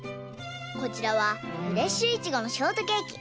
こちらはフレッシュイチゴのショートケーキ。